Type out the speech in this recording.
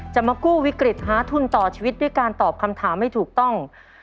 จะมากู้วิกฤตหาทุนต่อชีวิตด้วยการตอบคำถามให้ถูกต้อง